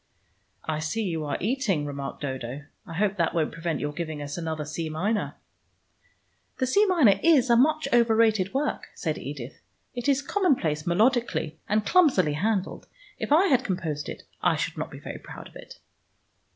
"I see you are eating," remarked Dodo. "I hope that won't prevent your giving us another C minor." "The C minor is much over rated work," said Edith; "it is commonplace melodically, and clumsily handled. If I had composed it, I should not be very proud of it."